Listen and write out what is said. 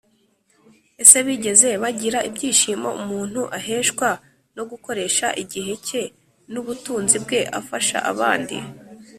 Ese bigeze bagira ibyishimo umuntu aheshwa no gukoresha igihe cye n ubutunzi bwe afasha abandi